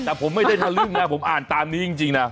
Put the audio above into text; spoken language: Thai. แต่ผมไม่ได้ทะลึ่งนะผมอ่านตามนี้จริงนะ